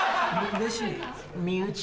うれしい？